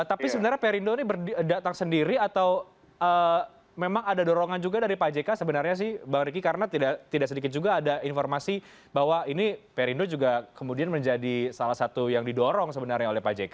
tapi sebenarnya perindo ini datang sendiri atau memang ada dorongan juga dari pak jk sebenarnya sih bang riki karena tidak sedikit juga ada informasi bahwa ini perindo juga kemudian menjadi salah satu yang didorong sebenarnya oleh pak jk